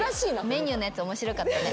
メニューのやつ面白かったね。